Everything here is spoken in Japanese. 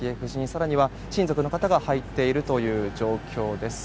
更には親族の方が入っているという状況です。